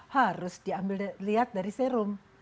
harus diambil lihat dari serum